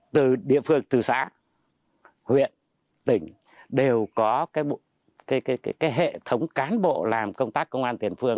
từ địa phương từ xã huyện tỉnh đều có hệ thống cán bộ làm công tác công an tiền phương